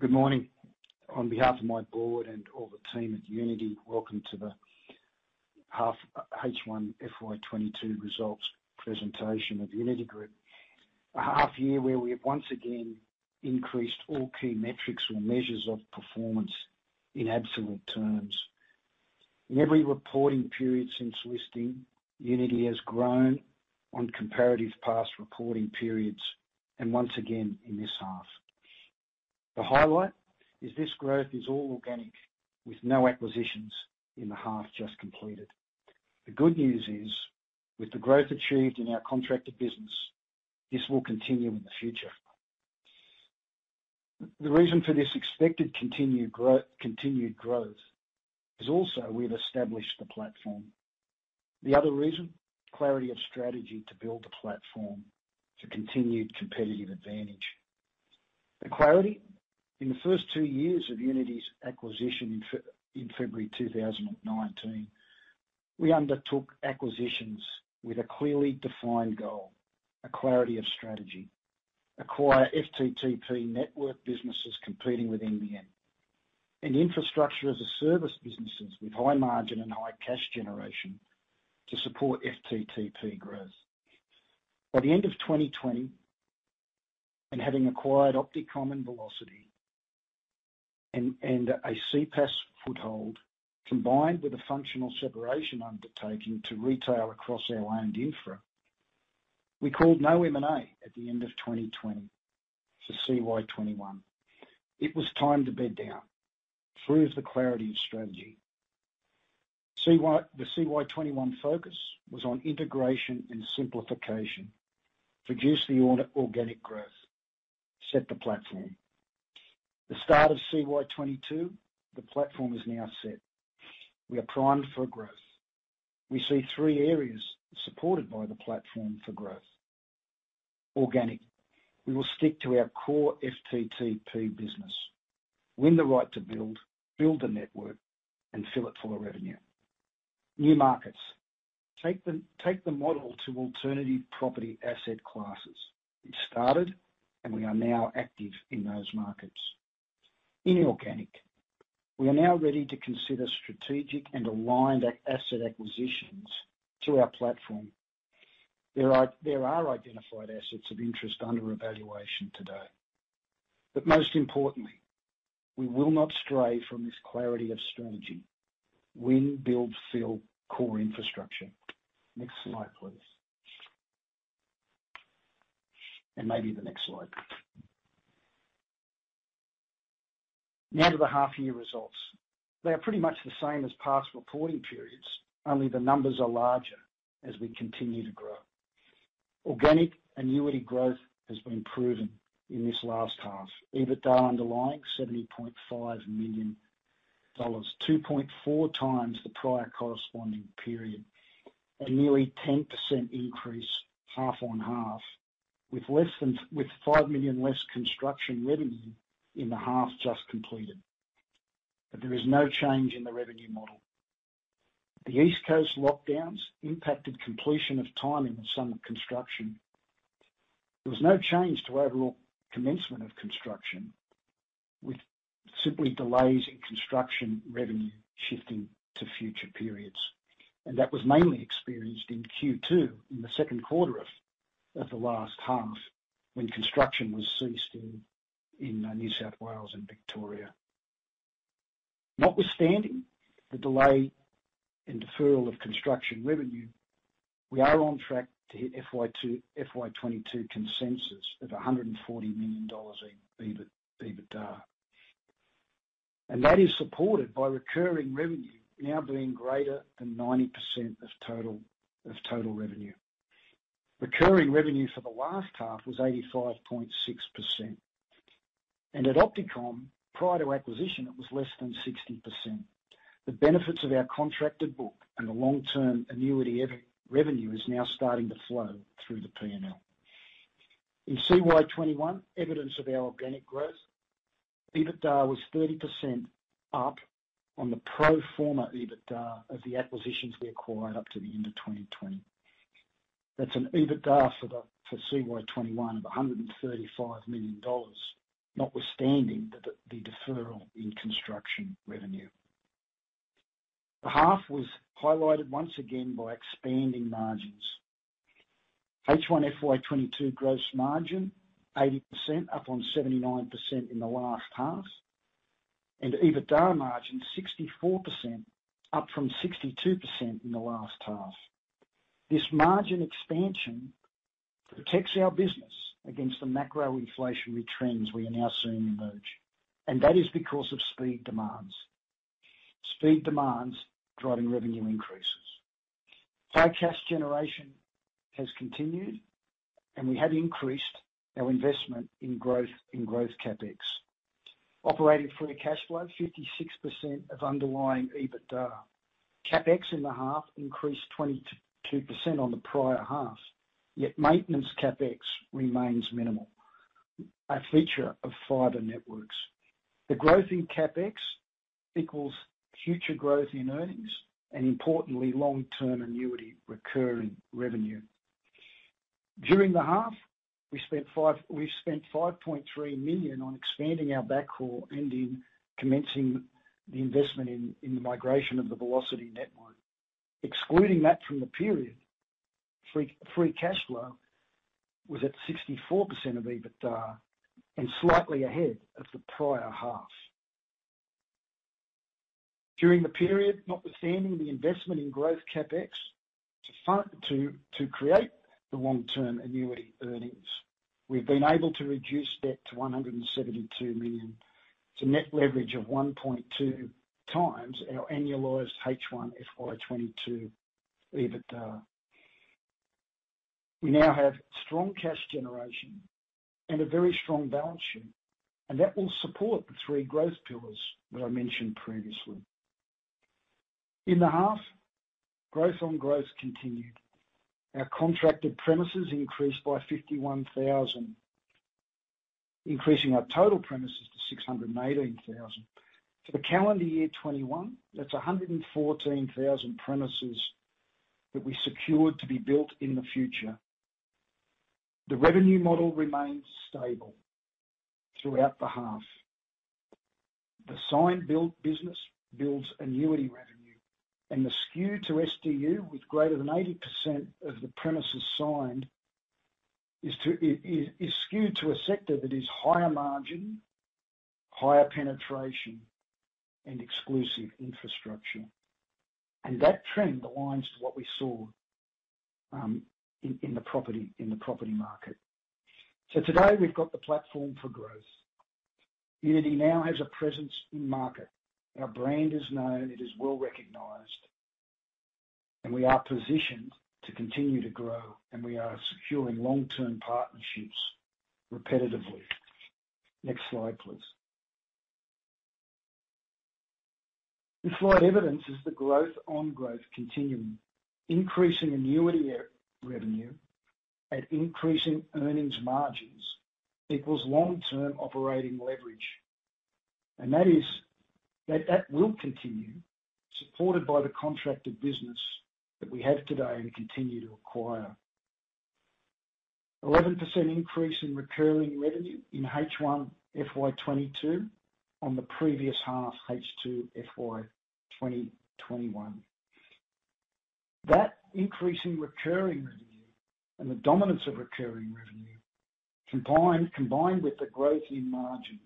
Good morning. On behalf of my board and all the team at Uniti, welcome to the H1 FY 2022 results presentation of Uniti Group. A half year where we have once again increased all key metrics or measures of performance in absolute terms. In every reporting period since listing, Uniti has grown on comparative past reporting periods, and once again in this half. The highlight is this growth is all organic, with no acquisitions in the half just completed. The good news is, with the growth achieved in our contracted business, this will continue in the future. The reason for this expected continued growth is also we've established the platform. The other reason, clarity of strategy to build the platform to continued competitive advantage. The clarity, in the first two years of Uniti's acquisition in February 2019, we undertook acquisitions with a clearly defined goal, a clarity of strategy. Acquire FTTP network businesses competing with nbn, and Infrastructure-as-a-Service businesses with high margin and high cash generation to support FTTP growth. By the end of 2020, having acquired OptiComm and Velocity and a CPaaS foothold, combined with a functional separation undertaking to retail across our owned infra, we called no M&A at the end of 2020 to CY 2021. It was time to bed down, prove the clarity of strategy. The CY 2021 focus was on integration and simplification, produce the organic growth, set the platform. The start of CY 2022, the platform is now set. We are primed for growth. We see three areas supported by the platform for growth. Organic. We will stick to our core FTTP business. Win the right to build the network, and fill it full of revenue. New markets. Take the model to alternative property asset classes. We've started, and we are now active in those markets. Inorganic. We are now ready to consider strategic and aligned asset acquisitions to our platform. There are identified assets of interest under evaluation today. But most importantly, we will not stray from this clarity of strategy. Win, build, fill core infrastructure. Next slide, please. Maybe the next slide. Now to the half year results. They are pretty much the same as past reporting periods, only the numbers are larger as we continue to grow. Organic annuity growth has been proven in this last half. EBITDA underlying 70.5 million dollars, 2.4x the prior corresponding period, a nearly 10% increase half-on-half with $5 million less construction revenue in the half just completed. There is no change in the revenue model. The East Coast lockdowns impacted completion of timing of some construction. There was no change to overall commencement of construction, with simply delays in construction revenue shifting to future periods. That was mainly experienced in Q2, in the second quarter of the last half, when construction was ceased in New South Wales and Victoria. Notwithstanding the delay and deferral of construction revenue, we are on track to hit FY 2022 consensus of 140 million dollars in EBITDA. That is supported by recurring revenue now being greater than 90% of total revenue. Recurring revenue for the last half was 85.6%, and at OptiComm, prior to acquisition, it was less than 60%. The benefits of our contracted book and the long-term annuity revenue is now starting to flow through the P&L. In CY 2021, evidence of our organic growth, EBITDA was 30% up on the pro forma EBITDA of the acquisitions we acquired up to the end of 2020. That's an EBITDA for CY 2021 of 135 million dollars, notwithstanding the deferral in construction revenue. The half was highlighted once again by expanding margins. H1 FY 2022 gross margin 80%, up on 79% in the last half. EBITDA margin 64%, up from 62% in the last half. This margin expansion protects our business against the macro inflationary trends we are now seeing emerge. That is because of speed demands. Speed demands driving revenue increases. Free cash generation has continued, and we have increased our investment in growth CapEx. Operating free cash flow 56% of underlying EBITDA. CapEx in the half increased 22% on the prior half, yet maintenance CapEx remains minimal, a feature of fiber networks. The growth in CapEx equals future growth in earnings and importantly, long-term annuity recurring revenue. During the half, we've spent 5.3 million on expanding our backhaul and in commencing the investment in the migration of the Velocity network. Excluding that from the period, free cash flow was at 64% of EBITDA and slightly ahead of the prior half. During the period, notwithstanding the investment in growth CapEx to create the long-term annuity earnings, we've been able to reduce debt to 172 million, to net leverage of 1.2x our annualized H1 FY 2022 EBITDA. We now have strong cash generation and a very strong balance sheet, and that will support the three growth pillars that I mentioned previously. In the half, growth on growth continued. Our contracted premises increased by 51,000, increasing our total premises to 618,000. For the calendar year 2021, that's 114,000 premises that we secured to be built in the future. The revenue model remains stable throughout the half. The signed build business builds annuity revenue and the skew to SDU with greater than 80% of the premises signed is skewed to a sector that is higher margin, higher penetration and exclusive infrastructure. That trend aligns to what we saw in the property market. Today we've got the platform for growth. Uniti now has a presence in market. Our brand is known, it is well-recognized, and we are positioned to continue to grow, and we are securing long-term partnerships repetitively. Next slide, please. This slide evidences the growth on growth continuum. Increasing annuity revenue and increasing earnings margins equals long-term operating leverage. That is, that will continue, supported by the contracted business that we have today and continue to acquire. 11% increase in recurring revenue in H1 FY 2022 on the previous half H2 FY 2021. That increase in recurring revenue and the dominance of recurring revenue, combined with the growth in margins,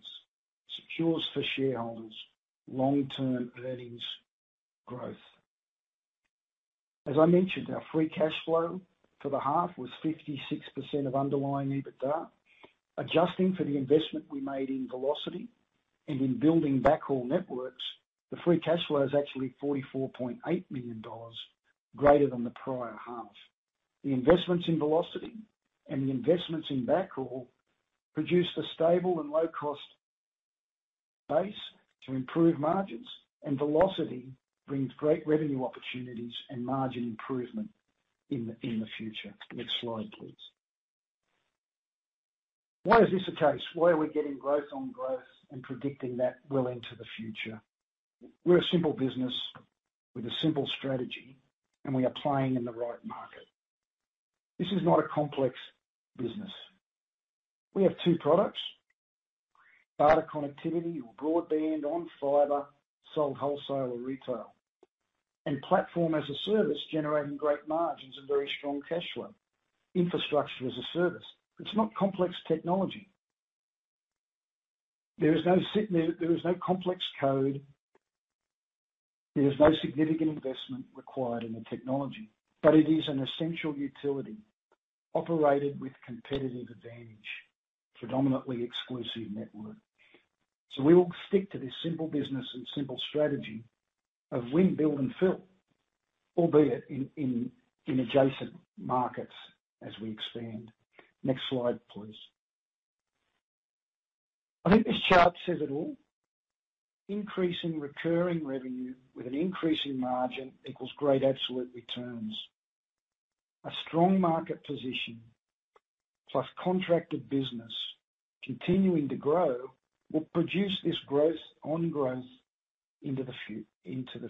secures for shareholders long-term earnings growth. As I mentioned, our free cash flow for the half was 56% of underlying EBITDA. Adjusting for the investment we made in Velocity and in building backhaul networks, the free cash flow is actually 44.8 million dollars greater than the prior half. The investments in Velocity and the investments in backhaul produce a stable and low-cost base to improve margins, and Velocity brings great revenue opportunities and margin improvement in the future. Next slide, please. Why is this the case? Why are we getting growth on growth and predicting that well into the future? We're a simple business with a simple strategy, and we are playing in the right market. This is not a complex business. We have two products: data connectivity or broadband on fiber sold wholesale or retail, and Platform-as-a-Service generating great margins and very strong cash flow. Infrastructure-as-a-service. It's not complex technology. There is no complex code. There is no significant investment required in the technology. It is an essential utility operated with competitive advantage, predominantly exclusive network. We will stick to this simple business and simple strategy of win, build and fill, albeit in adjacent markets as we expand. Next slide, please. I think this chart says it all. Increasing recurring revenue with an increase in margin equals great absolute returns. A strong market position plus contracted business continuing to grow will produce this growth on growth into the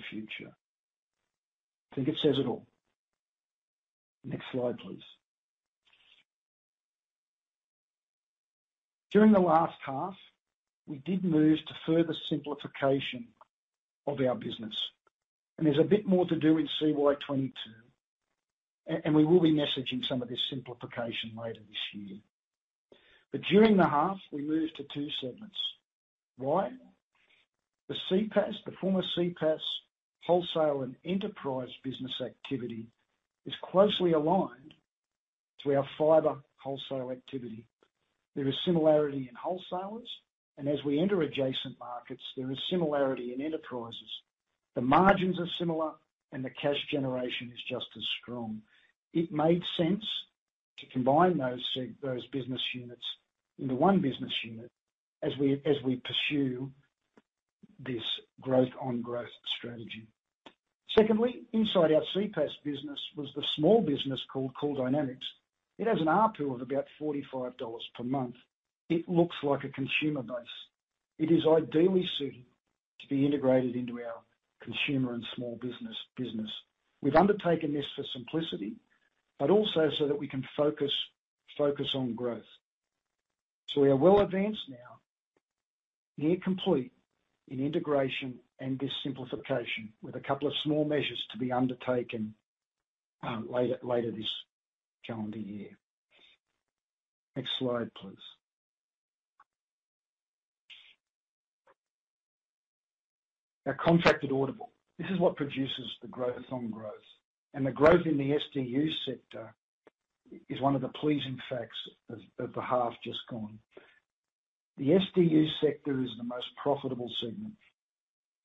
future. I think it says it all. Next slide, please. During the last half, we did move to further simplification of our business, and there's a bit more to do in CY 2022. And we will be messaging some of this simplification later this year. During the half, we moved to two segments. Why? The CPaaS, the former CPaaS wholesale and enterprise business activity, is closely aligned to our fiber wholesale activity. There is similarity in wholesalers, and as we enter adjacent markets, there is similarity in enterprises. The margins are similar and the cash generation is just as strong. It made sense to combine those business units into one business unit as we pursue this growth on growth strategy. Secondly, inside our CPaaS business was the small business called Call Dynamics. It has an ARPU of about 45 dollars per month. It looks like a consumer base. It is ideally suited to be integrated into our Consumer & Small Business business. We've undertaken this for simplicity, but also so that we can focus on growth. We are well advanced now, near complete in integration and this simplification, with a couple of small measures to be undertaken later this calendar year. Next slide, please. Our contracted order book. This is what produces the growth on growth. The growth in the SDU sector is one of the pleasing facts of the half just gone. The SDU sector is the most profitable segment.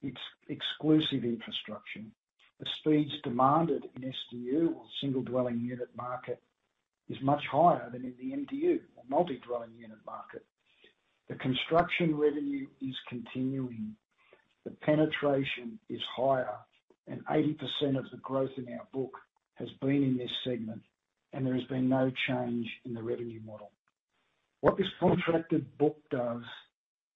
It's exclusive infrastructure. The speeds demanded in SDU or Single Dwelling Unit market is much higher than in the MDU or Multi-Dwelling Unit market. The construction revenue is continuing, the penetration is higher, and 80% of the growth in our book has been in this segment, and there has been no change in the revenue model. What this contracted book does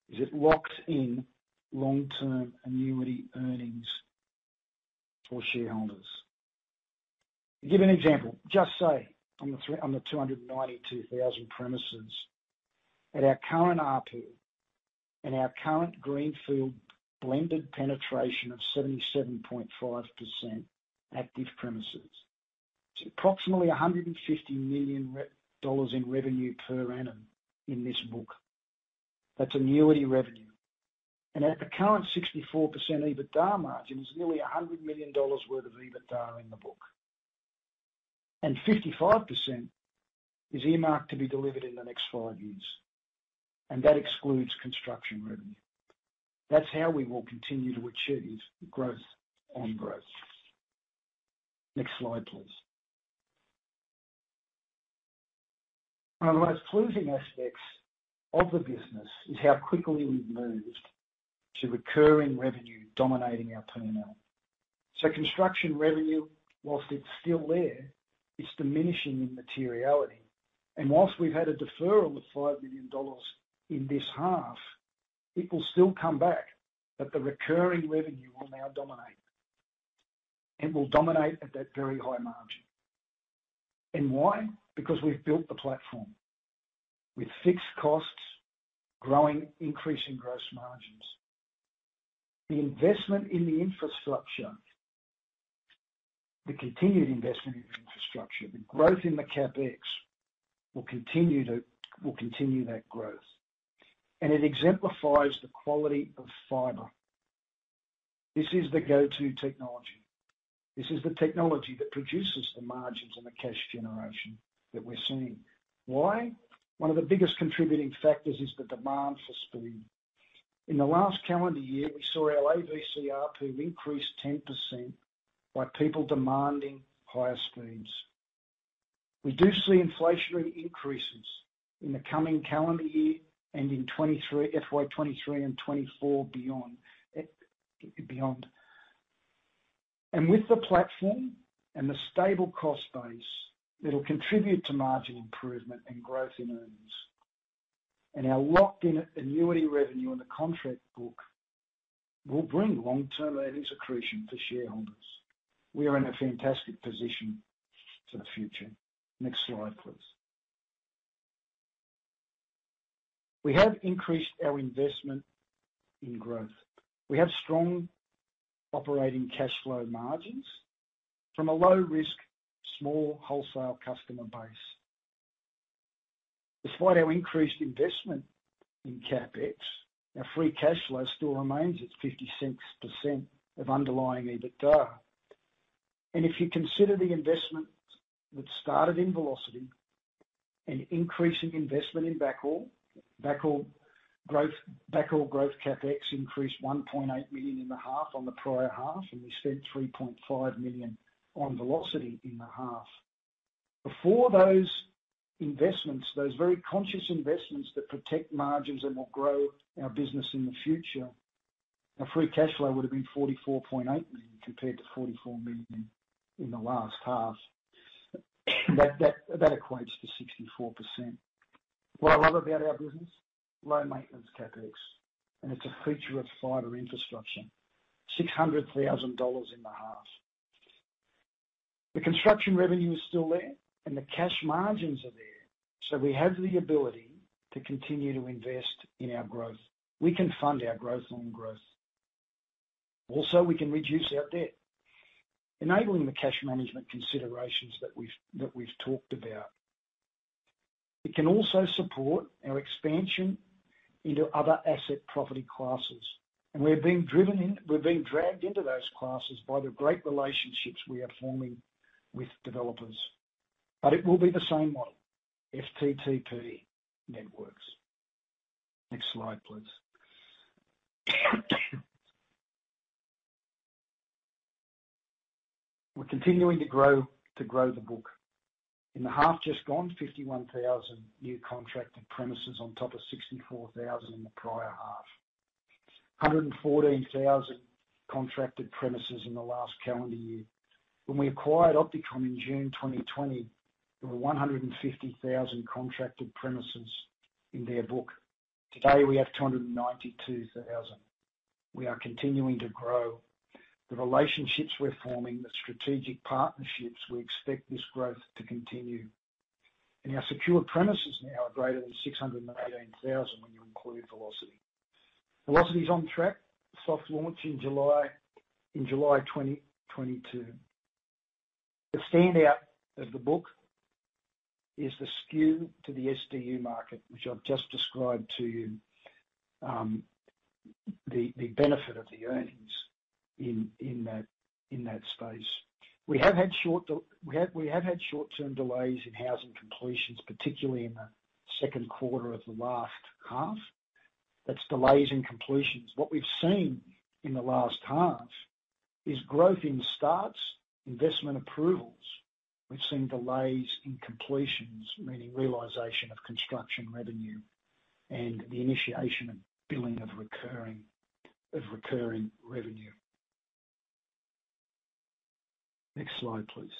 is it locks in long-term annuity earnings for shareholders. To give you an example, just say on the two hundred and ninety-two thousand premises at our current RP and our current greenfield blended penetration of 77.5% active premises, it's approximately 150 million dollars in revenue per annum in this book. That's annuity revenue. At the current 64% EBITDA margin, is nearly 100 million dollars worth of EBITDA in the book. 55% is earmarked to be delivered in the next five years, and that excludes construction revenue. That's how we will continue to achieve growth on growth. Next slide, please. One of the most pleasing aspects of the business is how quickly we've moved to recurring revenue dominating our P&L. Construction revenue, while it's still there, it's diminishing in materiality. While we've had a deferral of 5 million dollars in this half, it will still come back. The recurring revenue will now dominate. It will dominate at that very high margin. Why? Because we've built the platform with fixed costs, growing, increasing gross margins. The investment in the infrastructure, the continued investment in infrastructure, the growth in the CapEx will continue that growth, and it exemplifies the quality of fiber. This is the go-to technology. This is the technology that produces the margins and the cash generation that we're seeing. Why? One of the biggest contributing factors is the demand for speed. In the last calendar year, we saw our AVC ARPU increase 10% by people demanding higher speeds. We do see inflationary increases in the coming calendar year and in 2023, FY 2023 and 2024 beyond. With the platform and the stable cost base, it'll contribute to margin improvement and growth in earnings. Our locked-in annuity revenue in the contract book will bring long-term earnings accretion for shareholders. We are in a fantastic position for the future. Next slide, please. We have increased our investment in growth. We have strong operating cash flow margins from a low risk, small wholesale customer base. Despite our increased investment in CapEx, our free cash flow still remains at 56% of underlying EBITDA. If you consider the investment that started in Velocity and increasing investment in backhaul growth CapEx increased 1.8 million in the half on the prior half, and we spent 3.5 million on Velocity in the half. Before those investments, those very conscious investments that protect margins and will grow our business in the future, our free cash flow would have been 44.8 million compared to 44 million in the last half. That equates to 64%. What I love about our business, low maintenance CapEx, and it's a feature of fiber infrastructure, 600,000 dollars in the half. The construction revenue is still there and the cash margins are there, so we have the ability to continue to invest in our growth. We can fund our growth on growth. Also, we can reduce our debt, enabling the cash management considerations that we've talked about. It can also support our expansion into other asset property classes. We're being dragged into those classes by the great relationships we are forming with developers. It will be the same model, FTTP networks. Next slide, please. We're continuing to grow the book. In the half just gone, 51,000 new contracted premises on top of 64,000 in the prior half. 114,000 contracted premises in the last calendar year. When we acquired OptiComm in June 2020, there were 150,000 contracted premises in their book. Today, we have 292,000. We are continuing to grow. The relationships we're forming, the strategic partnerships, we expect this growth to continue. Our secure premises now are greater than 618,000 when you include Velocity. Velocity's on track. Soft launch in July 2022. The standout of the book is the skew to the SDU market, which I've just described to you, the benefit of the earnings in that space. We have had short-term delays in housing completions, particularly in the second quarter of the last half. That's delays in completions. What we've seen in the last half is growth in starts, investment approvals. We've seen delays in completions, meaning realization of construction revenue and the initiation of billing of recurring revenue. Next slide, please.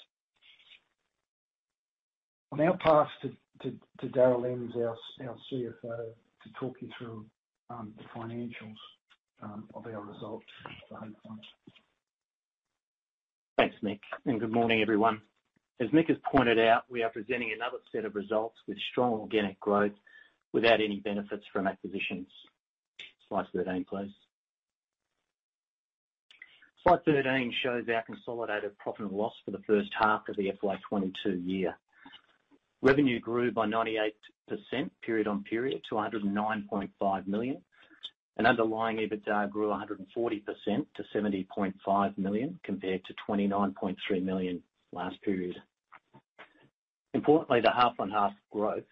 I'll now pass to Darryl Inns, our CFO, to talk you through the financials of our results for H1. Thanks, Mick, and good morning, everyone. As Mick has pointed out, we are presenting another set of results with strong organic growth without any benefits from acquisitions. Slide 13, please. Slide 13 shows our consolidated profit and loss for the first half of FY 2022. Revenue grew by 98% period-on-period to 109.5 million. Underlying EBITDA grew 140% to 70.5 million, compared to 29.3 million last period. Importantly, the half-on-half growth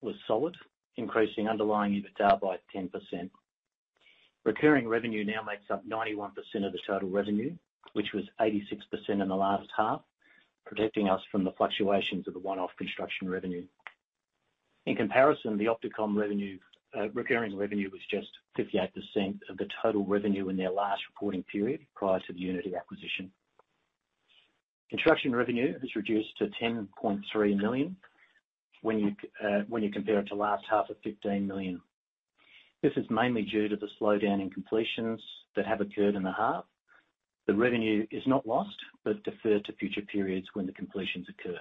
was solid, increasing underlying EBITDA by 10%. Recurring revenue now makes up 91% of the total revenue, which was 86% in the last half, protecting us from the fluctuations of the one-off construction revenue. In comparison, the OptiComm revenue, recurring revenue was just 58% of the total revenue in their last reporting period prior to the Uniti acquisition. Construction revenue has reduced to 10.3 million when you compare it to last half of 15 million. This is mainly due to the slowdown in completions that have occurred in the half. The revenue is not lost, but deferred to future periods when the completions occur.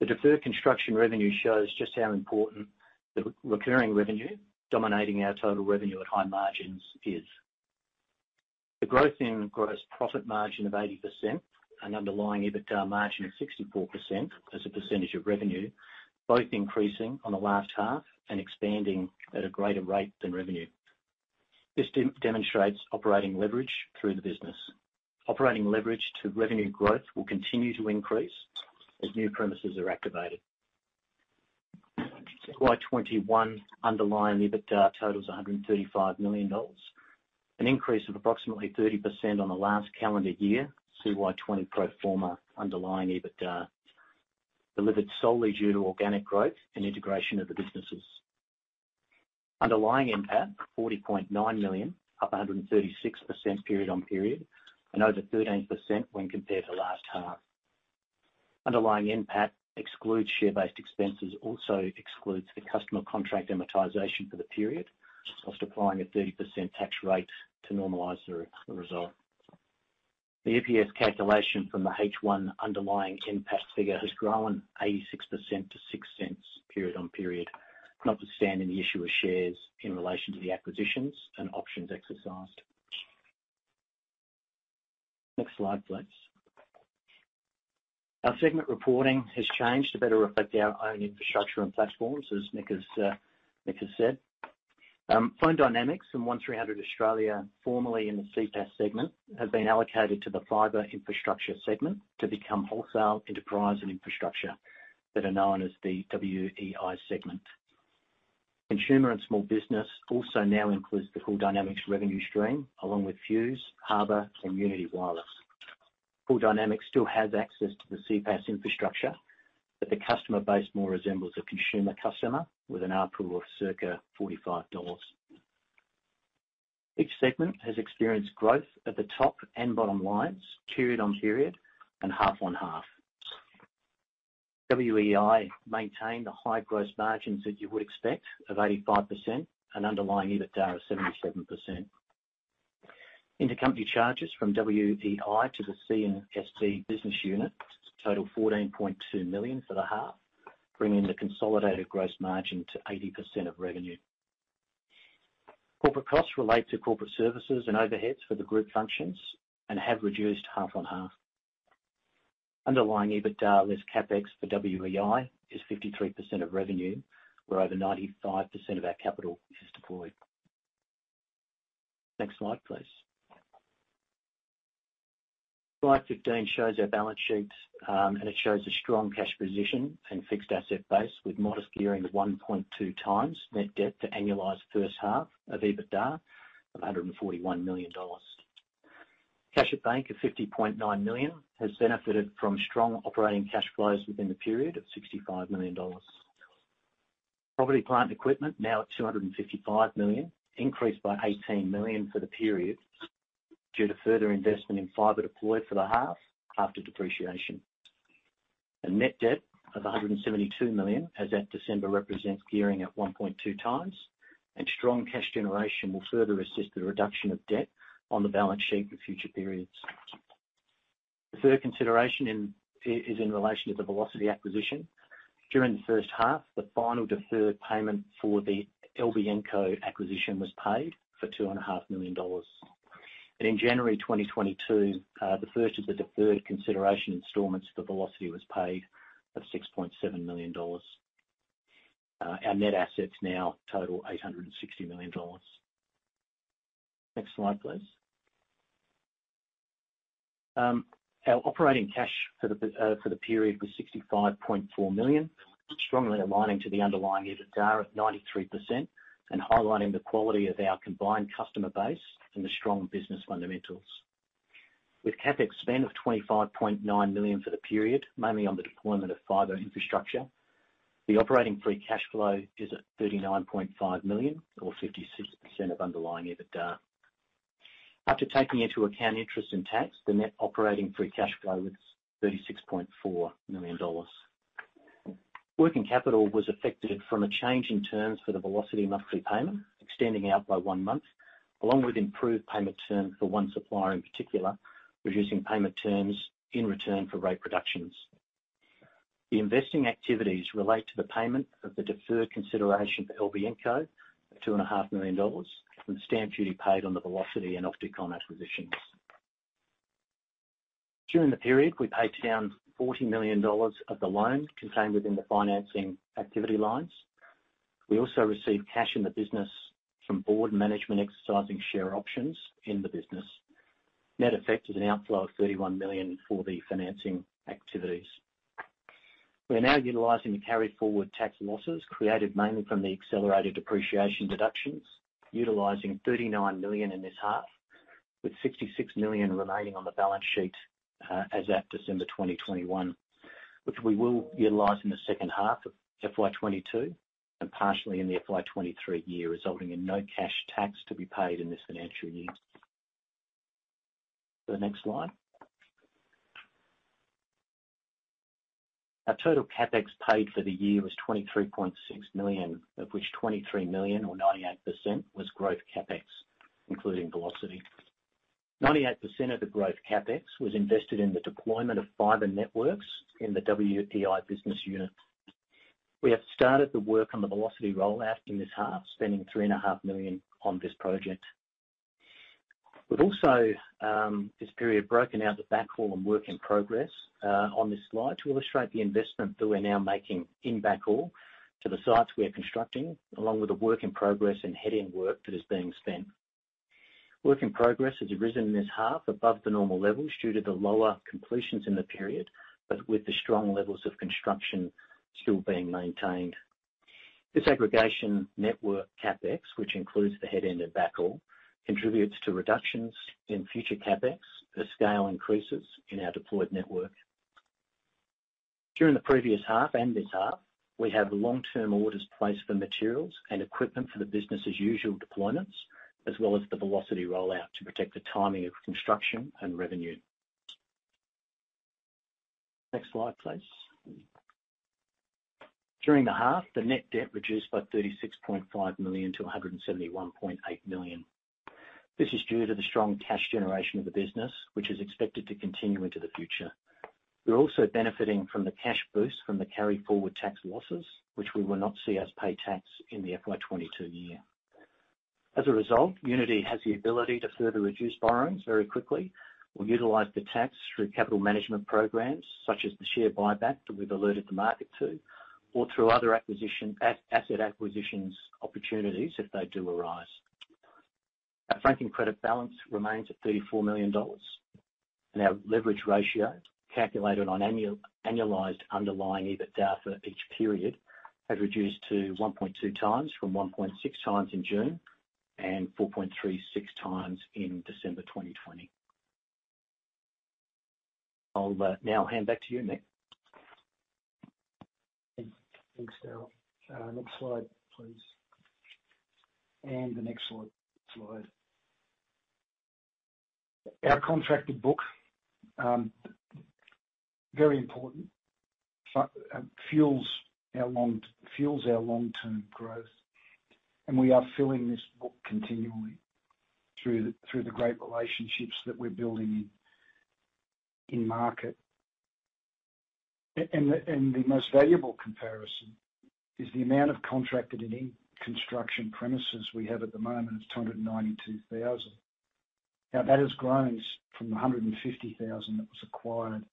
The deferred construction revenue shows just how important the recurring revenue dominating our total revenue at high margins is. The growth in gross profit margin of 80% and underlying EBITDA margin of 64% as a percentage of revenue, both increasing on the last half and expanding at a greater rate than revenue. This demonstrates operating leverage through the business. Operating leverage to revenue growth will continue to increase as new premises are activated. FY 2021 underlying EBITDA totals 135 million dollars, an increase of approximately 30% on the last calendar year, CY 2020 pro forma underlying EBITDA, delivered solely due to organic growth and integration of the businesses. Underlying NPAT, AUD 40.9 million, up 136% period-on-period and over 13% when compared to last half. Underlying NPAT excludes share-based expenses, also excludes the customer contract amortization for the period, post applying a 30% tax rate to normalize the result. The EPS calculation from the H1 underlying NPAT figure has grown 86% to 0.06 period-on-period, notwithstanding the issue of shares in relation to the acquisitions and options exercised. Next slide, please. Our segment reporting has changed to better reflect our own infrastructure and platforms, as Mick has said. Fone Dynamics and 1300 Australia, formerly in the CPaaS segment, have been allocated to the Fiber Infrastructure segment to become Wholesale, Enterprise & Infrastructure that are known as the WEI segment. Consumer & Small Business also now includes the Fone Dynamics revenue stream, along with Fuze, Harbour, and Uniti Wireless. Fone Dynamics still has access to the CPaaS infrastructure, but the customer base more resembles a consumer customer with an ARPU of circa 45 dollars. Each segment has experienced growth at the top and bottom lines, period-on-period and half-on-half. WEI maintained the high gross margins that you would expect of 85% and underlying EBITDA of 77%. Intercompany charges from WEI to the C&SB business unit total 14.2 million for the half, bringing the consolidated gross margin to 80% of revenue. Corporate costs relate to corporate services and overheads for the group functions and have reduced half-on-half. Underlying EBITDA less CapEx for WEI is 53% of revenue, where over 95% of our capital is deployed. Next slide, please. Slide 15 shows our balance sheet, and it shows a strong cash position and fixed asset base with modest gearing of 1.2x net debt to annualized first half of EBITDA of AUD 141 million. Cash at bank of AUD 50.9 million has benefited from strong operating cash flows within the period of AUD 65 million. Property, plant and equipment now at AUD 255 million, increased by AUD 18 million for the period due to further investment in fiber deployed for the half after depreciation. A net debt of 172 million as at December represents gearing at 1.2x, and strong cash generation will further assist the reduction of debt on the balance sheet for future periods. The third consideration is in relation to the Velocity acquisition. During the first half, the final deferred payment for the LBNCo acquisition was paid for 2.5 million dollars. In January 2022, the first of the deferred consideration installments for Velocity was paid of 6.7 million dollars. Our net assets now total 860 million dollars. Next slide, please. Our operating cash for the period was 65.4 million, strongly aligning to the underlying EBITDA at 93% and highlighting the quality of our combined customer base and the strong business fundamentals. With CapEx spend of 25.9 million for the period, mainly on the deployment of fiber infrastructure, the operating free cash flow is at 39.5 million or 56% of underlying EBITDA. After taking into account interest and tax, the net operating free cash flow was 36.4 million dollars. Working capital was affected from a change in terms for the Velocity monthly payment, extending out by one month, along with improved payment terms for one supplier in particular, reducing payment terms in return for rate reductions. The investing activities relate to the payment of the deferred consideration for LBNCo, 2.5 million dollars, and stamp duty paid on the Velocity and OptiComm acquisitions. During the period, we paid down 40 million dollars of the loan contained within the financing activity lines. We also received cash in the business from board and management exercising share options in the business. Net effect is an outflow of 31 million for the financing activities. We're now utilizing the carry forward tax losses created mainly from the accelerated depreciation deductions, utilizing 39 million in this half, with 66 million remaining on the balance sheet, as at December 2021, which we will utilize in the second half of FY 2022 and partially in the FY 2023 year, resulting in no cash tax to be paid in this financial year. Go to the next slide. Our total CapEx paid for the year was 23.6 million, of which 23 million or 98% was growth CapEx, including Velocity. 98% of the growth CapEx was invested in the deployment of fiber networks in the WEI business unit. We have started the work on the Velocity rollout in this half, spending 3.5 million on this project. We've also this period broken out the backhaul and work in progress on this slide to illustrate the investment that we're now making in backhaul to the sites we are constructing, along with the work in progress and head-in work that is being spent. Work in progress has risen this half above the normal levels due to the lower completions in the period, but with the strong levels of construction still being maintained. This aggregation network CapEx, which includes the headend and backhaul, contributes to reductions in future CapEx as scale increases in our deployed network. During the previous half and this half, we have long-term orders placed for materials and equipment for the business as usual deployments, as well as the Velocity rollout to protect the timing of construction and revenue. Next slide, please. During the half, the net debt reduced by 36.5 million to 171.8 million. This is due to the strong cash generation of the business, which is expected to continue into the future. We're also benefiting from the cash boost from the carry forward tax losses, which will not see us pay tax in the FY 2022 year. As a result, Uniti has the ability to further reduce borrowings very quickly. We'll utilize the tax through capital management programs, such as the share buyback that we've alerted the market to, or through other asset acquisitions opportunities if they do arise. Our franking credit balance remains at 34 million dollars, and our leverage ratio, calculated on annualized underlying EBITDA for each period, has reduced to 1.2x from 1.6x in June and 4.36x in December 2020. I'll now hand back to you, Mick. Thanks, Darryl. Next slide, please. Our contracted book very important fuels our long-term growth, and we are filling this book continually through the great relationships that we're building in market. The most valuable comparison is the amount of contracted and in-construction premises we have at the moment is 292,000. Now, that has grown from 150,000 that was acquired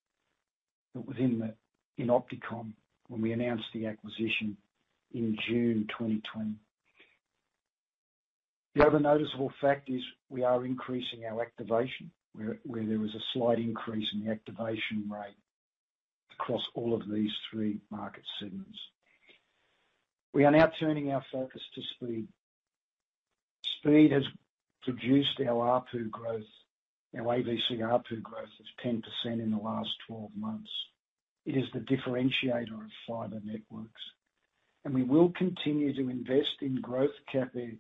within the in OptiComm when we announced the acquisition in June 2020. The other noticeable fact is we are increasing our activation, where there was a slight increase in the activation rate across all of these three market segments. We are now turning our focus to speed. Speed has produced our ARPU growth. Our AVC ARPU growth is 10% in the last 12 months. It is the differentiator of fiber networks, and we will continue to invest in growth CapEx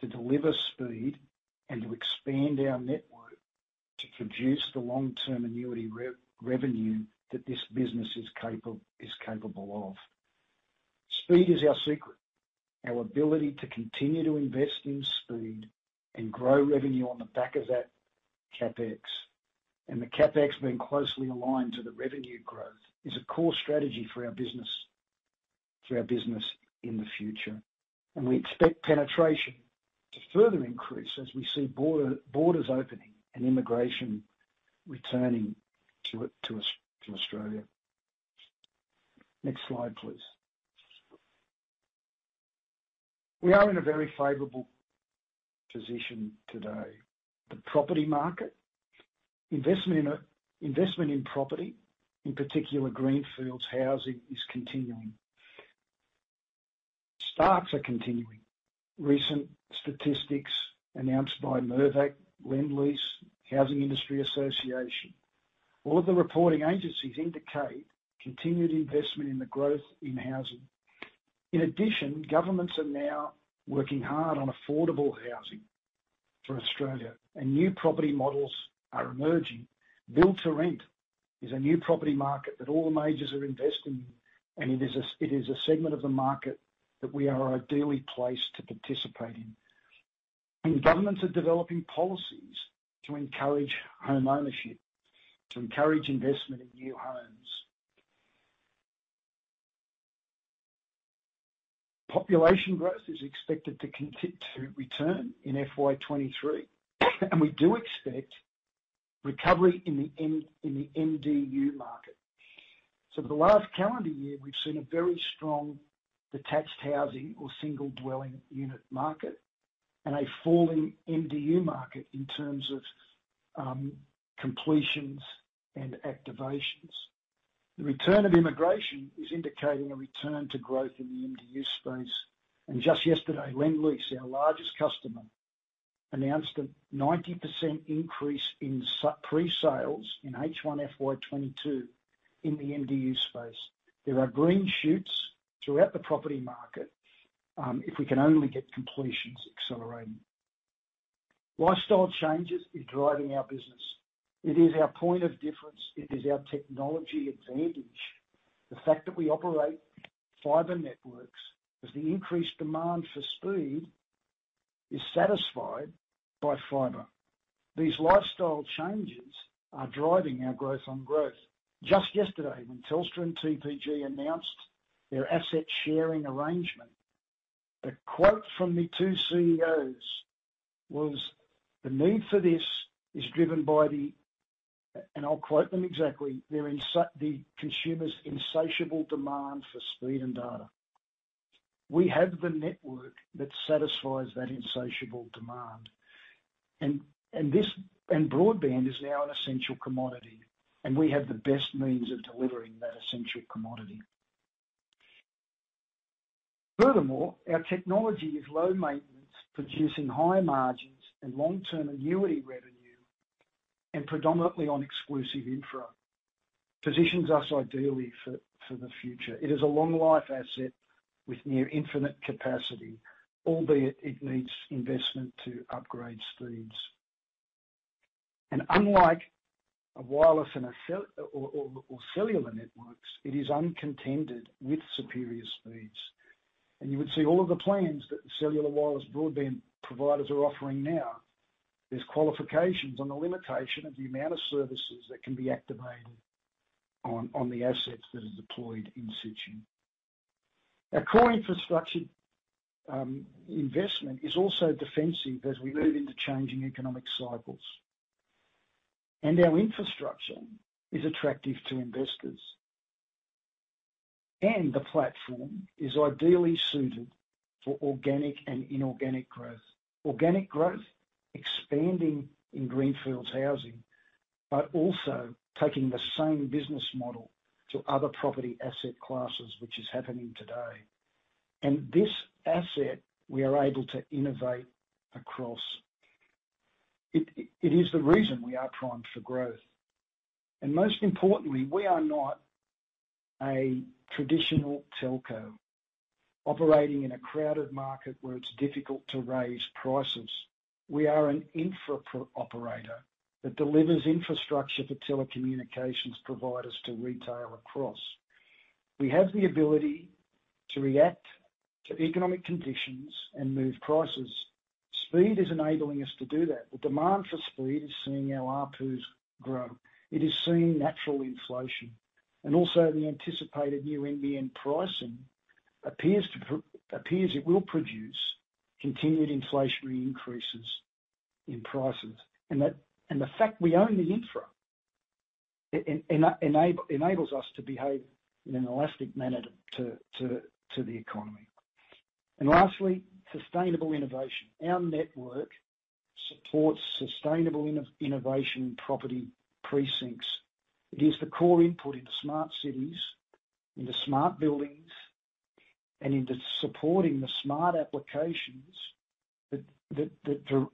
to deliver speed and to expand our network to produce the long-term annuity revenue that this business is capable of. Speed is our secret. Our ability to continue to invest in speed and grow revenue on the back of that CapEx, and the CapEx being closely aligned to the revenue growth, is a core strategy for our business in the future. We expect penetration to further increase as we see borders opening and immigration returning to Australia. Next slide, please. We are in a very favorable position today. The property market. Investment in property, in particular greenfield housing, is continuing. Starts are continuing. Recent statistics announced by Mirvac, Lendlease, Housing Industry Association, all of the reporting agencies indicate continued investment in the growth in housing. In addition, governments are now working hard on affordable housing for Australia, and new property models are emerging. Build to rent is a new property market that all the majors are investing in, and it is a segment of the market that we are ideally placed to participate in. Governments are developing policies to encourage home ownership, to encourage investment in new homes. Population growth is expected to return in FY 2023, and we do expect recovery in the MDU market. For the last calendar year, we've seen a very strong detached housing or single dwelling unit market and a falling MDU market in terms of completions and activations. The return of immigration is indicating a return to growth in the MDU space. Just yesterday, Lendlease, our largest customer, announced a 90% increase in presales in H1 FY 2022 in the MDU space. There are green shoots throughout the property market, if we can only get completions accelerating. Lifestyle changes is driving our business. It is our point of difference. It is our technology advantage. The fact that we operate fiber networks, as the increased demand for speed is satisfied by fiber. These lifestyle changes are driving our growth on growth. Just yesterday, when Telstra and TPG announced their asset sharing arrangement, a quote from the two CEOs was, "The need for this is driven by the," and I'll quote them exactly, "the consumer's insatiable demand for speed and data." We have the network that satisfies that insatiable demand. Broadband is now an essential commodity, and we have the best means of delivering that essential commodity. Furthermore, our technology is low maintenance, producing high margins and long-term annuity revenue, and predominantly on exclusive infra, positions us ideally for the future. It is a long life asset with near infinite capacity, albeit it needs investment to upgrade speeds. Unlike a wireless and cellular networks, it is uncontended with superior speeds. You would see all of the plans that cellular wireless broadband providers are offering now. There's qualifications on the limitation of the amount of services that can be activated on the assets that are deployed in situ. Our core infrastructure investment is also defensive as we move into changing economic cycles. Our infrastructure is attractive to investors. The platform is ideally suited for organic and inorganic growth. Organic growth, expanding in greenfields housing, but also taking the same business model to other property asset classes, which is happening today. This asset we are able to innovate across. It is the reason we are primed for growth. Most importantly, we are not a traditional telco operating in a crowded market where it's difficult to raise prices. We are an infra operator that delivers infrastructure for telecommunications providers to retail across. We have the ability to react to economic conditions and move prices. Speed is enabling us to do that. The demand for speed is seeing our ARPUs grow. It is seeing natural inflation. The anticipated new nbn pricing appears it will produce continued inflationary increases in prices. The fact we own the infrastructure enables us to behave in an elastic manner to the economy. Lastly, sustainable innovation. Our network supports sustainable innovation property precincts. It is the core input into smart cities, into smart buildings, and into supporting the smart applications that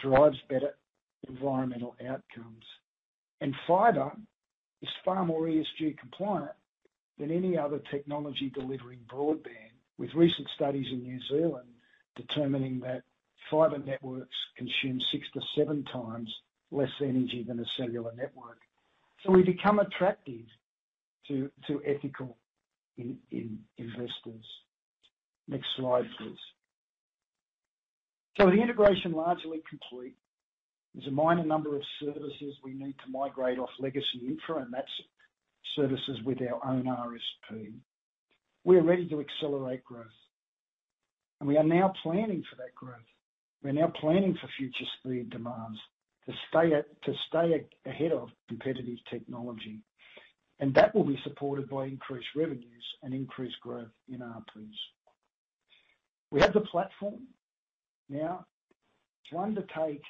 drives better environmental outcomes. Fiber is far more ESG compliant than any other technology delivering broadband, with recent studies in New Zealand determining that fiber networks consume 6x-7x less energy than a cellular network. We become attractive to ethical investors. Next slide, please. The integration largely complete. There's a minor number of services we need to migrate off legacy infra, and that's services with our own RSP. We are ready to accelerate growth, and we are now planning for that growth. We're now planning for future speed demands to stay ahead of competitive technology. That will be supported by increased revenues and increased growth in RSPs. We have the platform now to undertake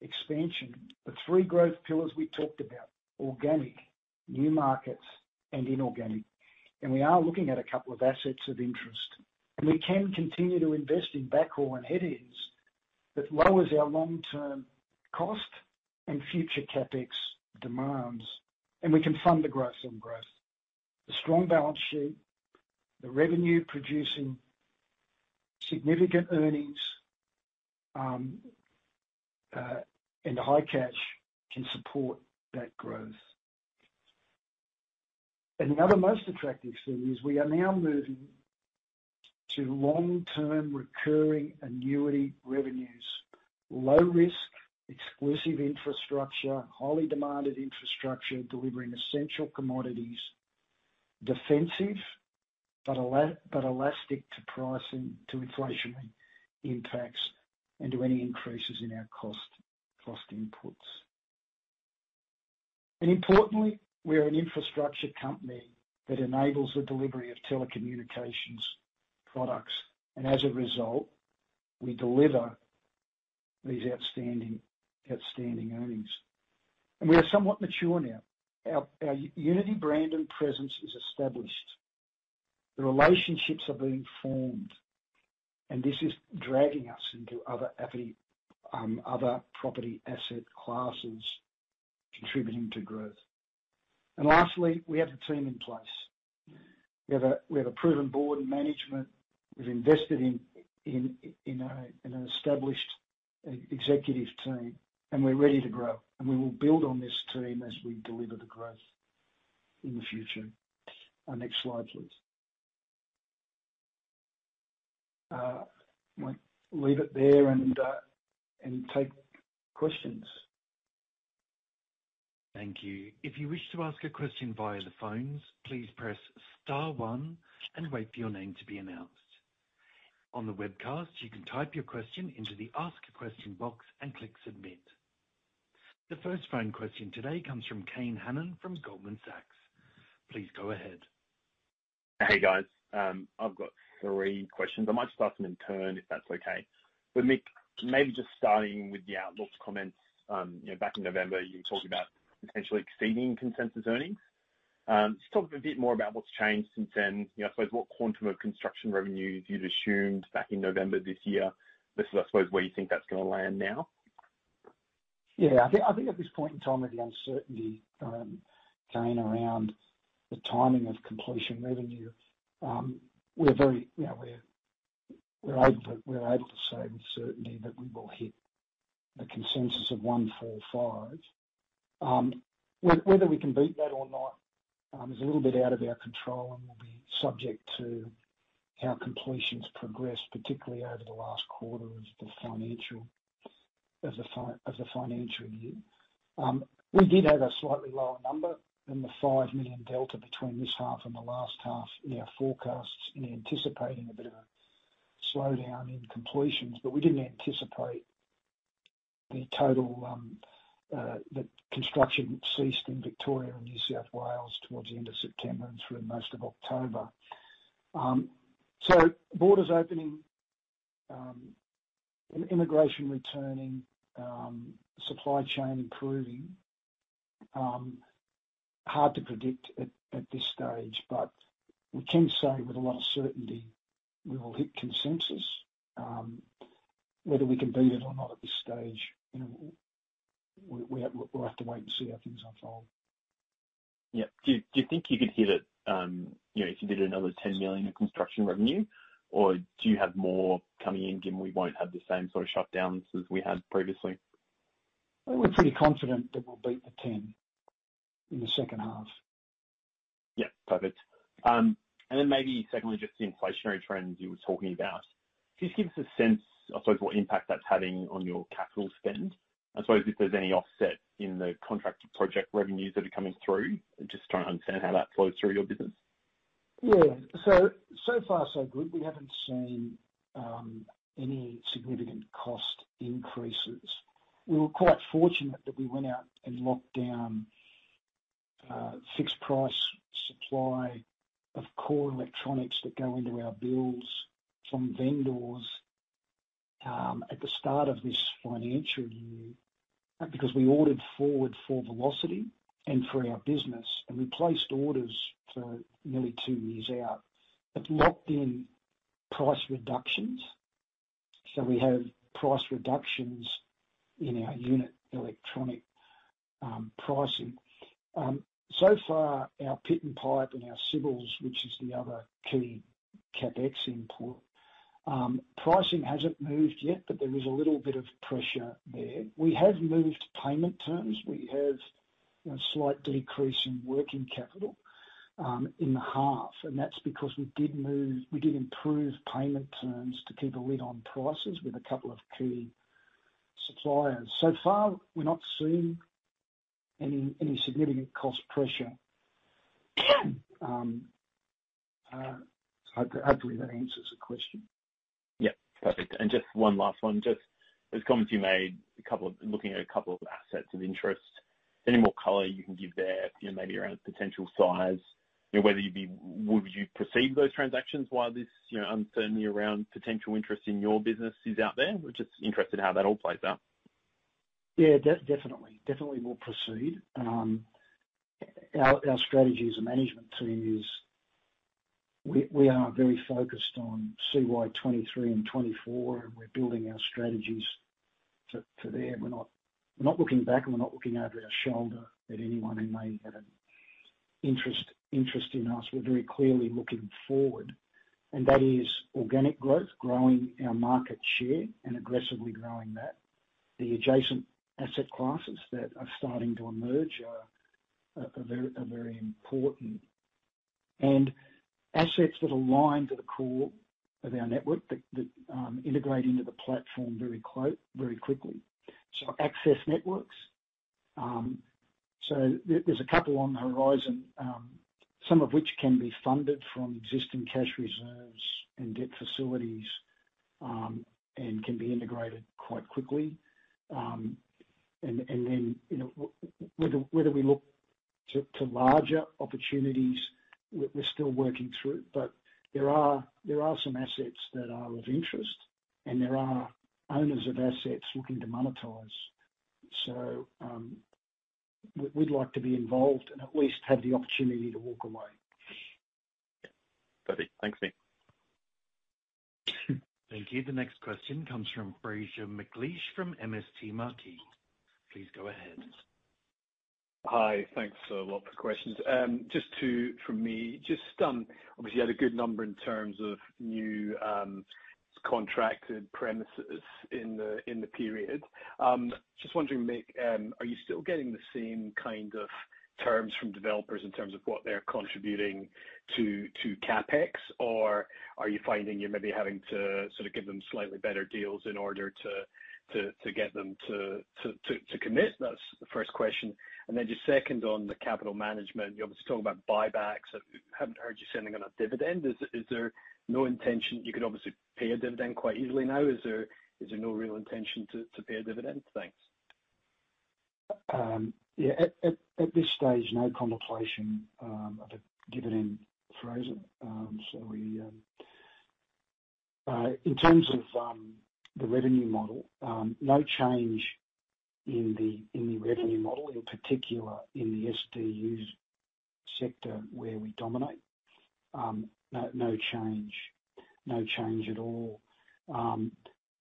expansion, the three growth pillars we talked about, organic, new markets, and inorganic. We are looking at a couple of assets of interest. We can continue to invest in backhaul and headends that lowers our long-term cost and future CapEx demands, and we can fund the growth on growth. The strong balance sheet, the revenue producing significant earnings, and high cash can support that growth. The other most attractive thing is we are now moving to long-term recurring annuity revenues, low risk, exclusive infrastructure, highly demanded infrastructure, delivering essential commodities, defensive, but elastic to pricing, to inflation impacts and to any increases in our cost inputs. Importantly, we are an infrastructure company that enables the delivery of telecommunications products, and as a result, we deliver these outstanding earnings. We are somewhat mature now. Our Uniti brand and presence is established. The relationships are being formed, and this is dragging us into other equity, other property asset classes contributing to growth. Lastly, we have the team in place. We have a proven board and management. We've invested in an established executive team, and we're ready to grow. We will build on this team as we deliver the growth in the future. Next slide, please. Might leave it there and take questions. Thank you. If you wish to ask a question via the phones, please press star one and wait for your name to be announced. On the webcast, you can type your question into the Ask a Question box and click Submit. The first phone question today comes from Kane Hannan from Goldman Sachs. Please go ahead. Hey, guys. I've got three questions. I might start them in turn, if that's okay. Mick, maybe just starting with the outlook comments. You know, back in November, you talked about potentially exceeding consensus earnings. Just talk a bit more about what's changed since then. You know, I suppose what quantum of construction revenues you'd assumed back in November this year versus, I suppose, where you think that's gonna land now. Yeah. I think at this point in time, with the uncertainty, Kane, around the timing of completion revenue, we're able to say with certainty that we will hit the consensus of 145. Whether we can beat that or not is a little bit out of our control, and we'll be subject to how completions progress, particularly over the last quarter of the financial year. We did have a slightly lower number than the 5 million delta between this half and the last half in our forecasts in anticipating a bit of a slowdown in completions, but we didn't anticipate the total, the construction ceased in Victoria and New South Wales towards the end of September and through most of October. Borders opening, immigration returning, supply chain improving, hard to predict at this stage. We can say with a lot of certainty we will hit consensus. Whether we can beat it or not at this stage, you know, we'll have to wait and see how things unfold. Yeah. Do you think you could hit it, you know, if you did another 10 million in construction revenue, or do you have more coming in, given we won't have the same sort of shutdowns as we had previously? We're pretty confident that we'll beat the 10 in the second half. Yeah. Perfect. Maybe secondly, just the inflationary trends you were talking about. Can you just give us a sense, I suppose, what impact that's having on your capital spend? I suppose if there's any offset in the contracted project revenues that are coming through. Just trying to understand how that flows through your business. Yeah. So far, so good. We haven't seen any significant cost increases. We were quite fortunate that we went out in lockdown. Fixed price supply of core electronics that go into our builds from vendors at the start of this financial year, because we ordered forward for Velocity and for our business, and we placed orders for nearly two years out. It's locked in price reductions, so we have price reductions in our unit electronic pricing. So far, our pit and pipe and our civils, which is the other key CapEx input, pricing hasn't moved yet, but there is a little bit of pressure there. We have moved payment terms. We have a slight decrease in working capital in the half, and that's because we did improve payment terms to keep a lid on prices with a couple of key suppliers. So far, we're not seeing any significant cost pressure. Hopefully that answers the question. Yeah, perfect. Just one last one. Just the comments you made, looking at a couple of assets of interest, any more color you can give there, you know, maybe around potential size? You know, whether you'd be. Would you perceive those transactions while this, you know, uncertainty around potential interest in your business is out there? We're just interested how that all plays out. Yeah, definitely. Definitely will proceed. Our strategy as a management team is we are very focused on CY 2023 and 2024, and we're building our strategies to there. We're not looking back and we're not looking over our shoulder at anyone who may have an interest in us. We're very clearly looking forward, and that is organic growth, growing our market share and aggressively growing that. The adjacent asset classes that are starting to emerge are very important. Assets that align to the core of our network that integrate into the platform very quickly. So access networks. So there's a couple on the horizon, some of which can be funded from existing cash reserves and debt facilities, and can be integrated quite quickly. You know, whether we look to larger opportunities, we're still working through. There are some assets that are of interest, and there are owners of assets looking to monetize. We'd like to be involved and at least have the opportunity to walk away. Yeah. Perfect. Thanks, Mick. Thank you. The next question comes from Fraser McLeish from MST Marquee. Please go ahead. Hi. Thanks a lot for the questions. From me, just, obviously you had a good number in terms of new contracted premises in the period. Just wondering, Mick, are you still getting the same kind of terms from developers in terms of what they're contributing to CapEx? Or are you finding you're maybe having to sort of give them slightly better deals in order to get them to commit? That's the first question. Just second on the capital management, you obviously talk about buybacks. I haven't heard you say anything on a dividend. Is there no intention? You could obviously pay a dividend quite easily now. Is there no real intention to pay a dividend? Thanks. Yeah. At this stage, no contemplation of a dividend, Fraser. In terms of the revenue model, no change in the revenue model, in particular in the SDU sector where we dominate. No change at all.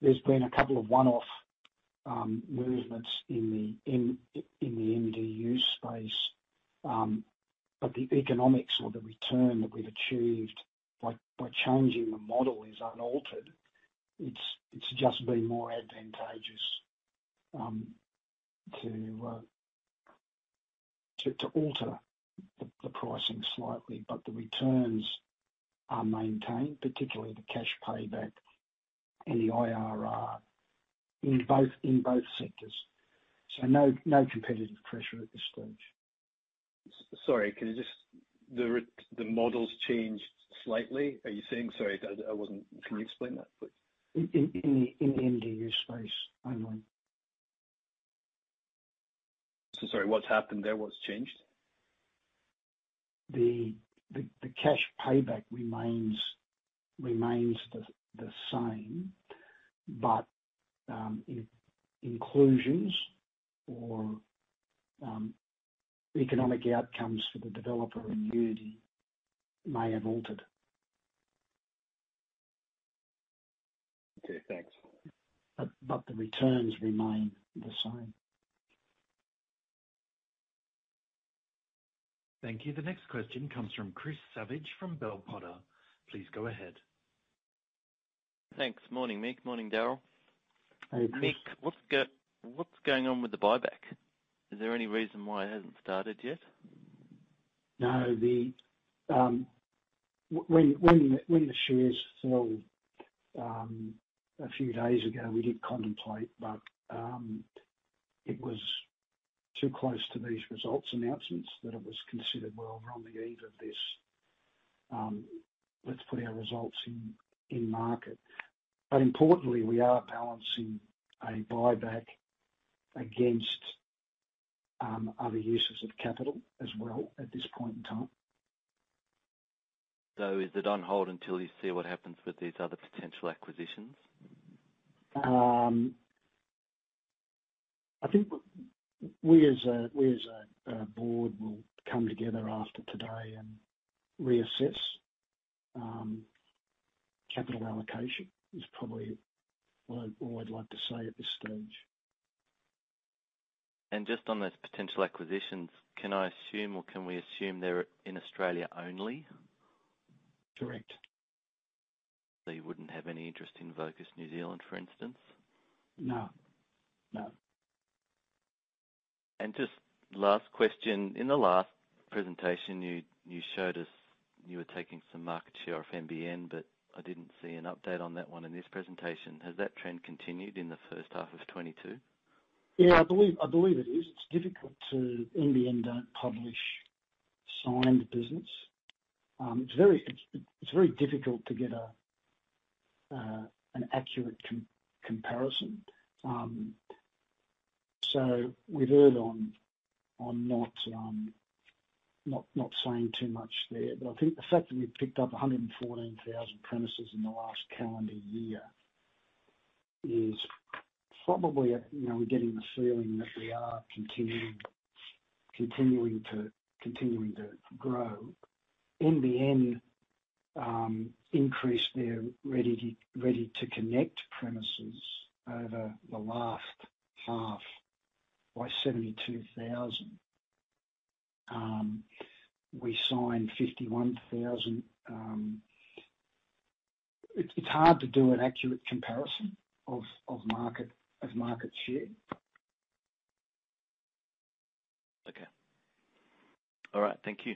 There's been a couple of one-off movements in the MDU space, but the economics or the return that we've achieved by changing the model is unaltered. It's just been more advantageous to alter the pricing slightly, but the returns are maintained, particularly the cash payback and the IRR in both sectors. No competitive pressure at this stage. Sorry, can you just the model's changed slightly, are you saying? Sorry, I wasn't. Can you explain that, please? In the MDU space only. Sorry, what's happened there? What's changed? The cash payback remains the same, but inclusions or economic outcomes for the developer and you may have altered. Okay, thanks. The returns remain the same. Thank you. The next question comes from Chris Savage from Bell Potter. Please go ahead. Thanks. Morning, Mick. Morning, Daryl. Hey, Chris. Mick, what's going on with the buyback? Is there any reason why it hasn't started yet? No. When the shares fell a few days ago, we did contemplate, but it was too close to these results announcements that it was considered, "Well, we're on the eve of this. Let's put our results in market." Importantly, we are balancing a buyback against other uses of capital as well at this point in time. Is it on hold until you see what happens with these other potential acquisitions? I think we as a board will come together after today and reassess capital allocation, which is probably all I'd like to say at this stage. Just on those potential acquisitions, can I assume or can we assume they're in Australia only? Correct. You wouldn't have any interest in Vocus New Zealand, for instance? No. Just last question. In the last presentation you showed us you were taking some market share off nbn, but I didn't see an update on that one in this presentation. Has that trend continued in the first half of 2022? Yeah, I believe it is. It's difficult. nbn don't publish signed business. It's very difficult to get an accurate comparison. So we've erred on not saying too much there. I think the fact that we've picked up 114,000 premises in the last calendar year is probably, you know, we're getting the feeling that we are continuing to grow. nbn increased their ready to connect premises over the last half by 72,000. We signed 51,000. It's hard to do an accurate comparison of market share. Okay. All right. Thank you.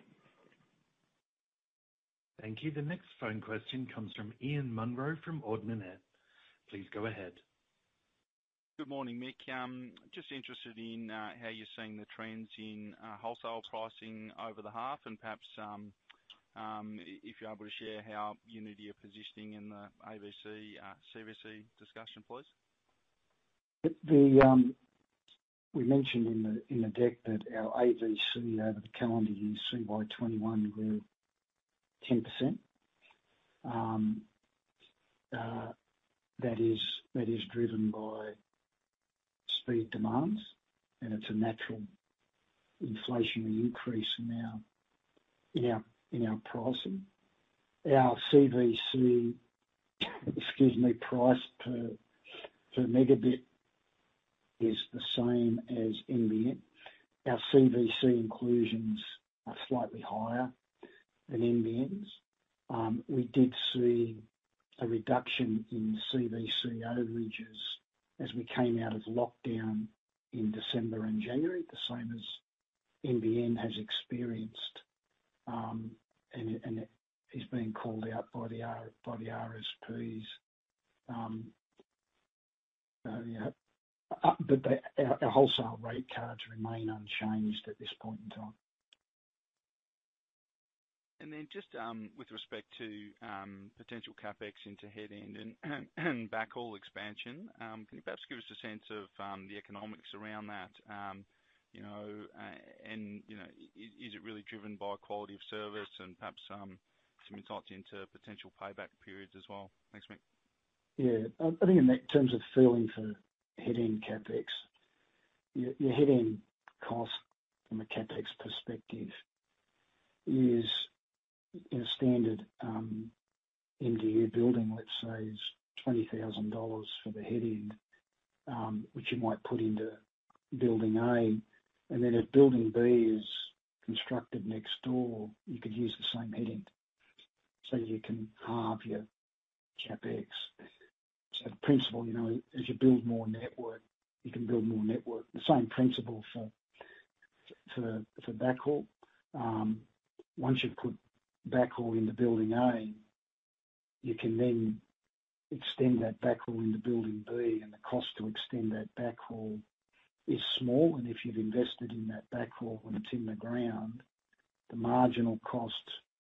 Thank you. The next phone question comes from Ian Munro from Ord Minnett. Please go ahead. Good morning, Mick. Just interested in how you're seeing the trends in wholesale pricing over the half and perhaps, if you're able to share how Uniti are positioning in the AVC, CVC discussion, please? We mentioned in the deck that our AVC over the calendar year, CY 2021, grew 10%. That is driven by speed demands, and it's a natural inflationary increase in our pricing. Our CVC, excuse me, price per megabit is the same as nbn. Our CVC inclusions are slightly higher than nbn's. We did see a reduction in CVC overages as we came out of lockdown in December and January, the same as nbn has experienced, and it is being called out by the RSPs. Our wholesale rate cards remain unchanged at this point in time. Just with respect to potential CapEx into headend and backhaul expansion, can you perhaps give us a sense of the economics around that? You know, and you know, is it really driven by quality of service and perhaps some insights into potential payback periods as well? Thanks, Mick. Yeah. I think in terms of figuring for headend CapEx, your headend cost from a CapEx perspective is in a standard MDU building, let's say, 20,000 dollars for the headend, which you might put into building A. If building B is constructed next door, you could use the same headend, so you can halve your CapEx. The principle, you know, as you build more network, you can build more network. The same principle for backhaul. Once you've put backhaul into building A, you can then extend that backhaul into building B, and the cost to extend that backhaul is small. If you've invested in that backhaul when it's in the ground, the marginal cost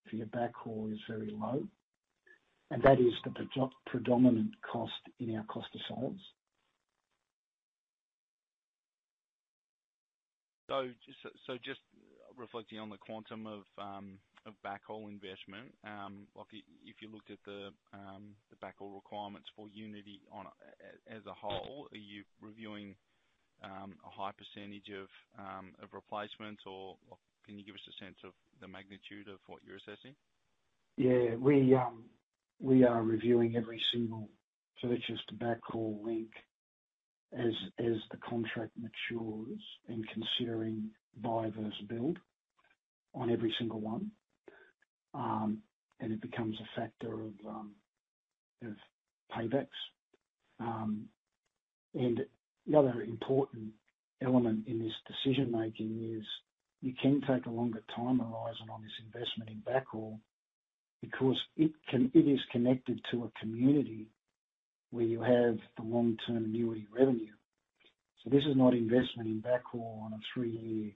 for your backhaul is very low. That is the predominant cost in our cost of sales. Just reflecting on the quantum of backhaul investment, like if you looked at the backhaul requirements for Uniti on a as a whole, are you reviewing a high percentage of replacement? Or, like, can you give us a sense of the magnitude of what you're assessing? Yeah. We are reviewing every single purchase to backhaul link as the contract matures and considering buy versus build on every single one. It becomes a factor of paybacks. The other important element in this decision making is you can take a longer time horizon on this investment in backhaul because it is connected to a community where you have the long-term annuity revenue. This is not investment in backhaul on a three-year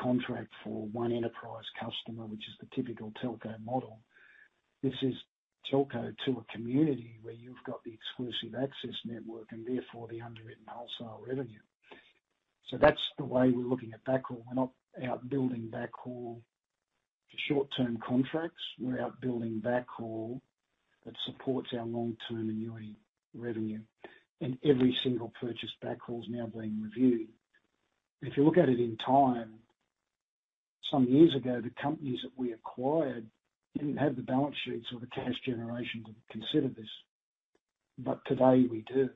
contract for one enterprise customer, which is the typical telco model. This is telco to a community where you've got the exclusive access network and therefore the underwritten wholesale revenue. That's the way we're looking at backhaul. We're not out building backhaul for short term contracts. We're out building backhaul that supports our long term annuity revenue. Every single purchase backhaul is now being reviewed. If you look at it in time, some years ago, the companies that we acquired didn't have the balance sheets or the cash generation to consider this. Today we do,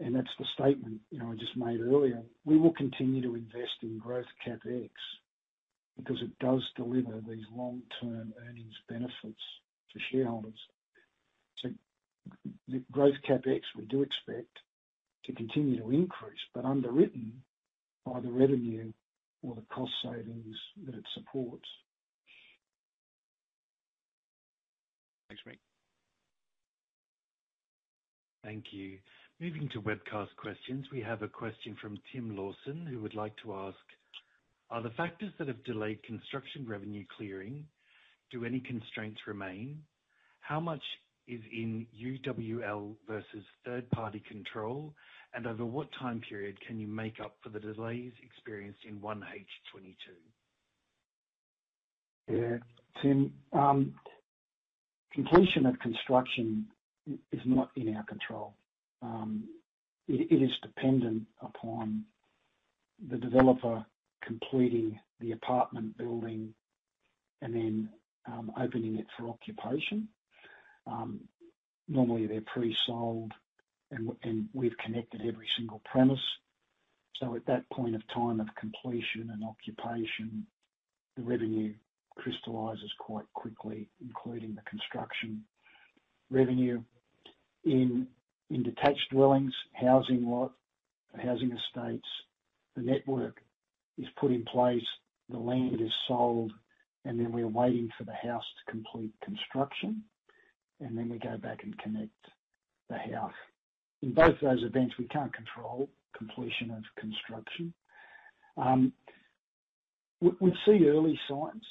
and that's the statement, you know, I just made earlier. We will continue to invest in growth CapEx because it does deliver these long term earnings benefits to shareholders. The growth CapEx, we do expect to continue to increase, but underwritten by the revenue or the cost savings that it supports. Thanks, Mick. Thank you. Moving to webcast questions. We have a question from Tim Lawson, who would like to ask, are the factors that have delayed construction revenue clearing? Do any constraints remain? How much is in UWL versus third party control? Over what time period can you make up for the delays experienced in 1H 2022? Yeah. Tim, completion of construction is not in our control. It is dependent upon the developer completing the apartment building and then opening it for occupation. Normally they're pre-sold and we've connected every single premise, so at that point of time of completion and occupation, the revenue crystallizes quite quickly, including the construction revenue. In detached dwellings, housing estates, the network is put in place, the land is sold, and then we're waiting for the house to complete construction, and then we go back and connect the house. In both those events, we can't control completion of construction. We see early signs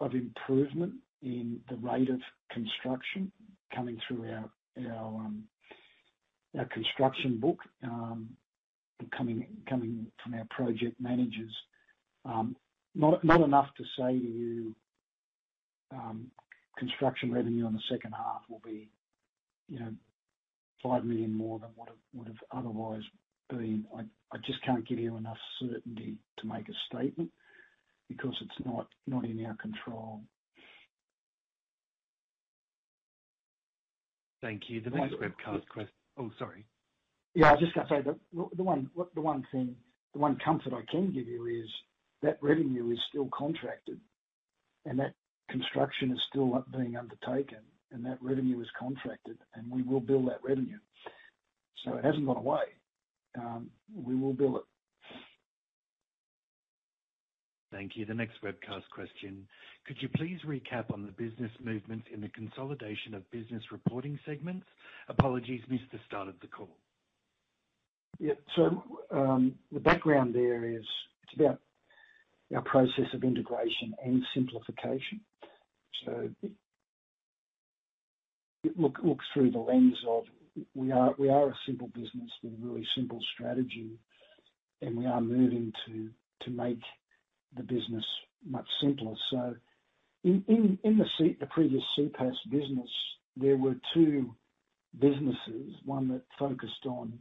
of improvement in the rate of construction coming through our construction book, coming from our project managers. Not enough to say to you, construction revenue on the second half will be, you know, 5 million more than what it would've otherwise been. I just can't give you enough certainty to make a statement because it's not in our control. Thank you. Yeah, I've just got to say the one thing, the one comfort I can give you is that revenue is still contracted, and that construction is still being undertaken, and that revenue is contracted, and we will bill that revenue. It hasn't gone away. We will bill it. Thank you. The next webcast question, could you please recap on the business movements in the consolidation of business reporting segments? Apologies, missed the start of the call. Yeah. The background there is it's about our process of integration and simplification. Look through the lens of we are a simple business with a really simple strategy, and we are moving to make the business much simpler. In the previous CPaaS business, there were two businesses, one that focused on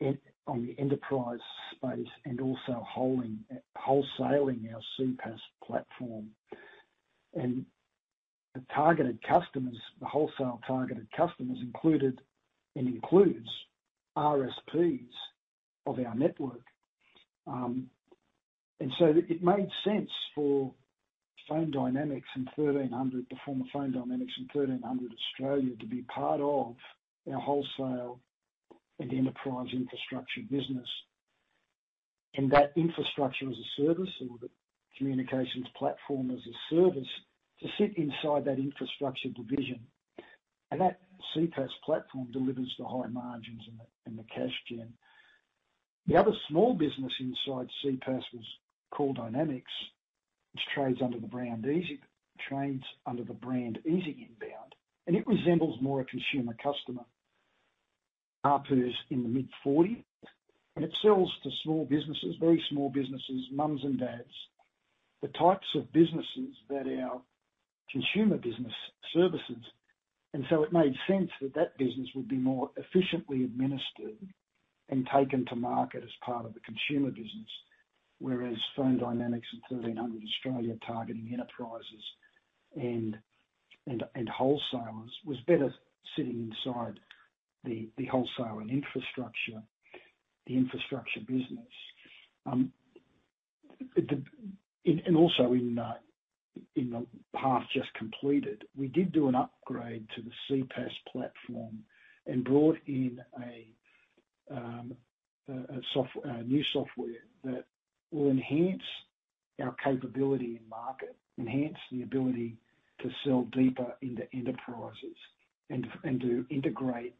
the enterprise space and also holding wholesaling our CPaaS platform. The targeted customers, the wholesale targeted customers included and includes RSPs of our network. It made sense for Fone Dynamics and 1300, the former Fone Dynamics and 1300 Australia to be part of our wholesale and enterprise infrastructure business. That Infrastructure-as-a-Service or the Communications Platform-as-a-Service to sit inside that infrastructure division. That CPaaS platform delivers the high margins and the cash gen. The other small business inside CPaaS was Call Dynamics, which trades under the brand Easy Inbound, and it resembles more a consumer customer. ARPU is in the mid-AUD 40, and it sells to small businesses, very small businesses, moms and dads, the types of businesses that our consumer business services. It made sense that that business would be more efficiently administered and taken to market as part of the consumer business. Whereas Fone Dynamics and 1300 Australia, targeting enterprises and wholesalers, was better sitting inside the wholesale and infrastructure business. Also in the path just completed, we did do an upgrade to the CPaaS platform and brought in a new software that will enhance our capability in market, enhance the ability to sell deeper into enterprises and to integrate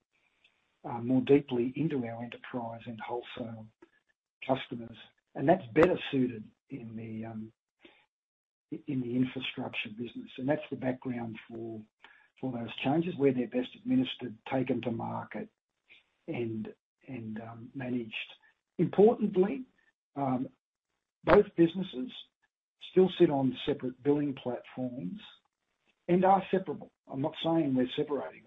more deeply into our enterprise and wholesale customers. That's better suited in the infrastructure business. That's the background for those changes, where they're best administered, taken to market and managed. Importantly, both businesses still sit on separate billing platforms and are separable. I'm not saying we're separating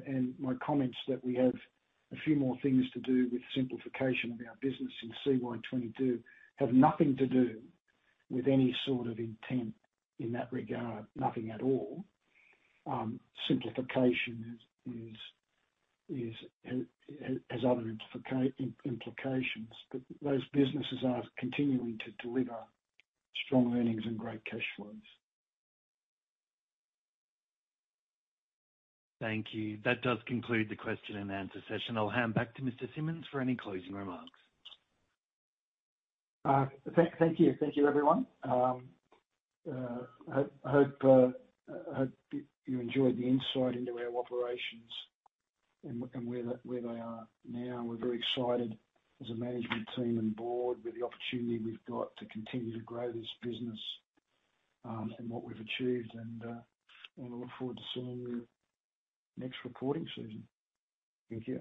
them. My comments that we have a few more things to do with simplification of our business in CY 2022 have nothing to do with any sort of intent in that regard. Nothing at all. Simplification has other implications. Those businesses are continuing to deliver strong earnings and great cash flows. Thank you. That does conclude the question-and-answer session. I'll hand back to Mr. Simmons for any closing remarks. Thank you. Thank you, everyone. I hope you enjoyed the insight into our operations and where they are now. We're very excited as a management team and board with the opportunity we've got to continue to grow this business, and what we've achieved and I look forward to seeing you next reporting season. Thank you.